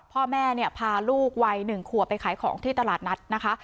พ่อแม่เนี่ยพาลูกวัย๑ขัวไปขายของที่ตลาดนัดนะคะ